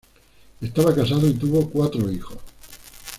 Estaba casado y tuvo cuatro hijos.